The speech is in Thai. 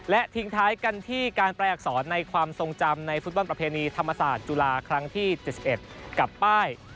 และทิ้งท้ายกันที่การแปลอักษรในความทรงจำในฟุตบอลประเพณีธรรมศาสตร์จุฬาครั้งที่๗๑กับป้าย